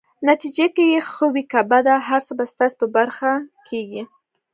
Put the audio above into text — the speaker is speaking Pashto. نتیجه که يې ښه وي که بده، هر څه به ستاسي په برخه کيږي.